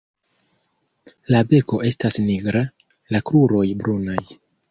La beko estas nigra; la kruroj brunaj.